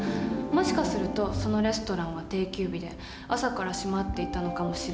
もしかするとそのレストランは定休日で朝から閉まっていたのかもしれないし。